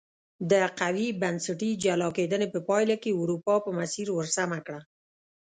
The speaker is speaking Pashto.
د قوي بنسټي جلا کېدنې په پایله کې اروپا په مسیر ور سمه کړه.